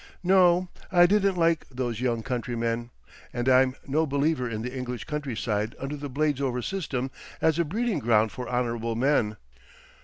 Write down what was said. No, I didn't like those young countrymen, and I'm no believer in the English countryside under the Bladesover system as a breeding ground for honourable men.